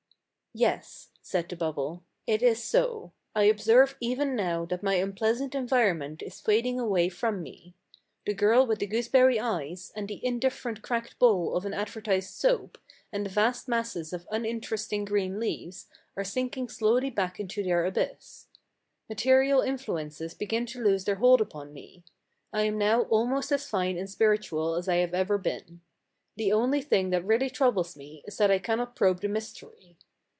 "Yes," said the bubble, "it is so. I observe even now that my unpleasant environment is fading away from me. The girl with the gooseberry eyes, and the indifferent cracked bowl of an advertised soap, and the vast masses of uninteresting green leaves, are sinking slowly back into their abyss. Material influ ences begin to lose their hold upon me. I am now almost as fine and spiritual as I have ever been. The only thing that really troubles me is that I cannot probe the mystery.